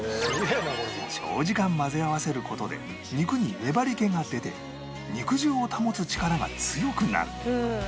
長時間混ぜ合わせる事で肉に粘り気が出て肉汁を保つ力が強くなる